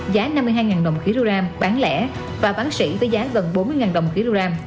giá năm mươi hai đồng một kg bán lẻ và bán xỉ với giá gần bốn mươi đồng một kg